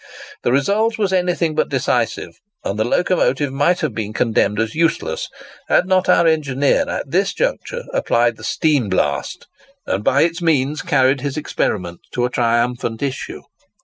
The result was anything but decisive; and the locomotive might have been condemned as useless, had not our engineer at this juncture applied the steam blast, and by its means carried his experiment to a triumphant issue.